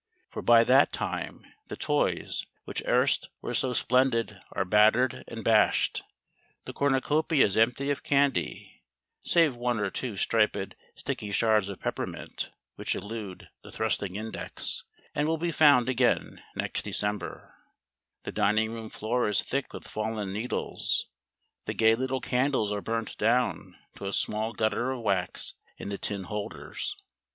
For by that time the toys which erst were so splendid are battered and bashed; the cornucopias empty of candy (save one or two striped sticky shards of peppermint which elude the thrusting index, and will be found again next December); the dining room floor is thick with fallen needles; the gay little candles are burnt down to a small gutter of wax in the tin holders.